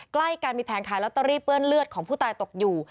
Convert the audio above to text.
ใกล้กันมีแผงขายลอตเตอรี่เปื้อนเลือดของผู้ตายตกอยู่